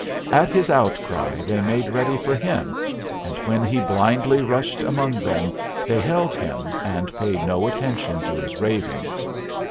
At his outcry they made ready for him, and when he blindly rushed among them they held him, and paid no attention to his ravings.